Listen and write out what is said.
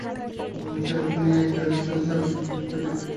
সেই লক্ষ্য নিয়েই একই ভেন্যুতে স্বাগতিকদের বিপক্ষে দ্বিতীয় ম্যাচটা খেলবে ভারত।